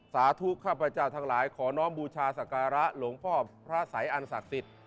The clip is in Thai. สาธุข้าพเจ้าทั้งหลายขอน้องบูชาสการะหลวงพ่อพระสัยอันศักดิ์สิทธิ์